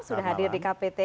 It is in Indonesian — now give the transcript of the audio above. sudah hadir di kpt